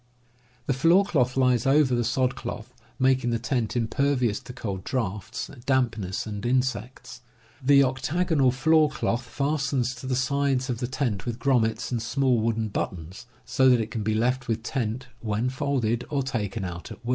(Fig. 3.) The floor cloth lies over the sod cloth, making the tent impervious to cold draughts, dampness, and insects. The octagonal floor cloth fastens to the sides of the tent with grommets and small wooden buttons, so that it can be left with tent when folded, or taken out at wiU.